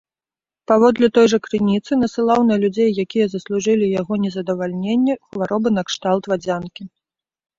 Паводле той жа крыніцы, насылаў на людзей, якія заслужылі яго незадавальненне, хваробы накшталт вадзянкі.